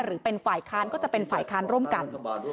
หรือเป็นฝ่ายค้านก็จะเป็นฝ่ายค้านร่วมกัน